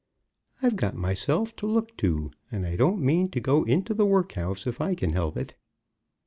I've got myself to look to, and I don't mean to go into the workhouse if I can help it!"